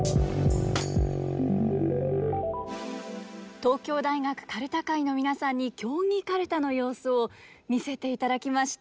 東京大学かるた会の皆さんに競技かるたの様子を見せていただきました。